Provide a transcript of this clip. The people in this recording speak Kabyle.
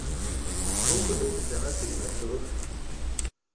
Wukud ay teddam ad tgem asurf?